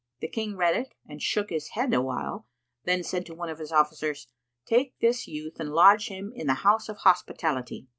The King read it and shook his head awhile, then said to one of his officers, "Take this youth and lodge him in the house of hospitality."